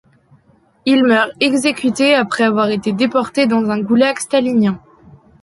Il meurt exécuté après avoir été déporté dans un goulag stalinien.